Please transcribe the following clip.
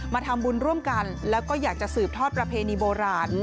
มาทำบุญร่วมกันแล้วก็อยากจะสืบทอดประเพณีโบราณ